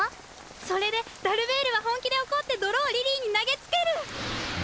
それでダルベールはほんきでおこってどろをリリーになげつける！え？